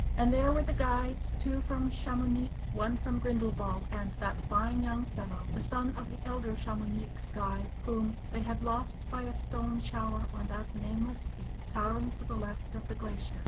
And there were the guides, two from Chamounix, one from Grindelwald, and that fine young fellow, the son of the elder Chamounix guide, whom they had lost by a stone shower on that nameless peak towering to the left of the glacier.